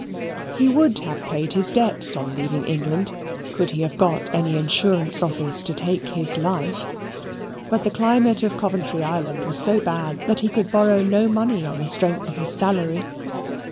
He would have paid his debts on leaving England, could he have got any Insurance Office to take his life, but the climate of Coventry Island was so bad that he could borrow no money on the strength of his salary.